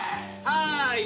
はい。